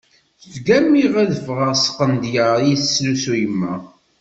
Ttgammiɣ ad ffɣeɣ s tqendyar iyi-teslusu yemma.